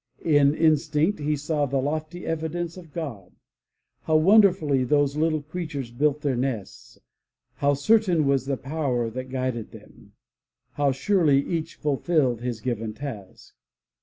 In instinct he saw the lofty evidence of God. How wonderfully those little creatures built their nests, how certain was the power that guided them, how surely each fulfilled his given task.